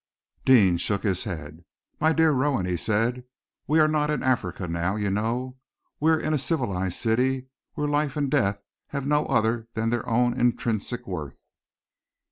Deane shook his head. "My dear Rowan," he said, "we are not in Africa now, you know. We are in a civilized city, where life and death have no other than their own intrinsic worth."